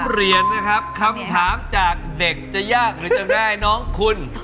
เหรียญนะครับคำถามจากเด็กจะยากหรือจะได้น้องคุณ